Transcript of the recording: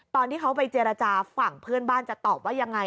ตอนที่เขาไปเจรจาฝั่งเพื่อนบ้านจะตอบว่ายังไง